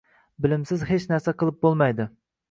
Bilimsiz hech narsa qilib bo‘lmaydi.